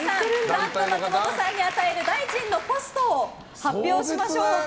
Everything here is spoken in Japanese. ダンプ松本さんに与える大臣のポストを発表しましょうか。